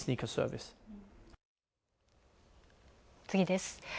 次です。